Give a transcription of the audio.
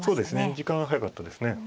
時間早かったですね。